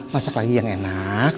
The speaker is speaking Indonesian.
masak lagi yang enak